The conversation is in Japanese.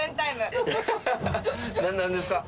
なんですか？